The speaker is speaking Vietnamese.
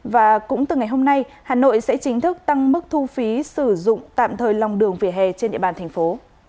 và cũng từ ngày hôm nay hà nội sẽ chính thức tăng mức thu phí sử dụng tạm thời lòng đường vỉa hè trên địa bàn thành phố